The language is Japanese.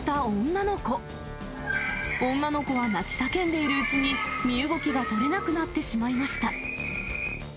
女の子は泣き叫んでいるうちに、身動きが取れなくなってしまいました。